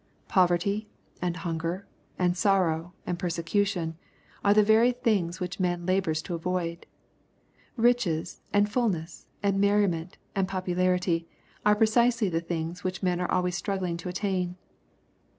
Poverty, and hunger, and sorrow, and perse cution, are the very things which man labors to avoid. Biches, and fulness, and merriment, and popularity, are precisely the things which men are always struggling to attain.